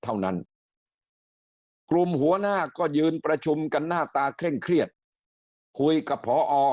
เท่านั้นกลุ่มหัวหน้าก็ยืนประชุมกันหน้าตาเคร่งเครียดคุยกับพอ